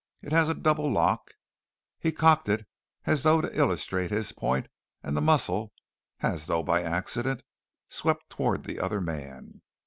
It has a double lock." He cocked it as though to illustrate his point, and the muzzle, as though by accident, swept toward the other man.